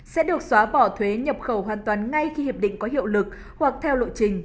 sẽ được xóa bỏ thuế nhập khẩu hoàn toàn ngay khi hiệp định có hiệu lực hoặc theo lộ trình